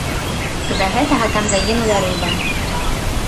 З-за гэтага там загінула рыба.